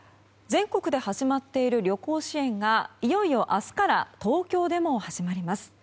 全国で始まっている旅行支援がいよいよ明日から東京でも始まります。